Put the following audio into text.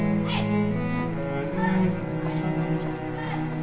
はい。